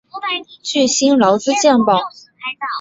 具薪资劳健保